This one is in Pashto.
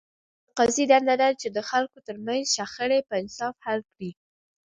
د قاضي دنده ده، چي د خلکو ترمنځ شخړي په انصاف حل کړي.